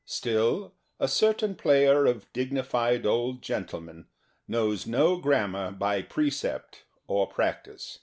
Still, a certain player of dignified old gentle men knows no grammar by precept or practice.